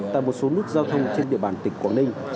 tại một số nút giao thông trên địa bàn tỉnh quảng ninh